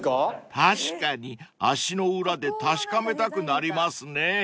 ［確かに足の裏で確かめたくなりますね］